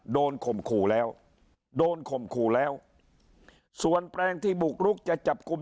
ข่มขู่แล้วโดนข่มขู่แล้วส่วนแปลงที่บุกรุกจะจับกลุ่ม